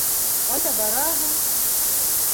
— Ҡайҙа бараһың?